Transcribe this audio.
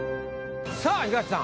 さあ東さん